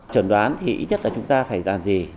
trần đoán thì ít nhất là chúng ta phải giảm gì